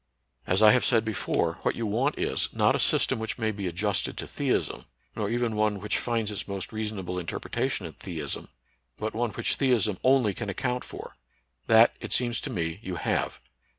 As I have said before, what you want is, not a system which may be adjusted to theism, nor even one which finds its most reasonable inter pretation in theism, but one which theism only can account for. That, it seems to me, you have.